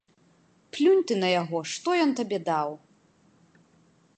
Плюнь ты на яго, што ён табе даў!